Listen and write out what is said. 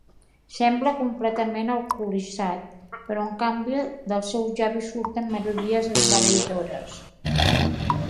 Sembla completament alcoholitzat, però en canvi dels seus llavis surten melodies esbalaïdores.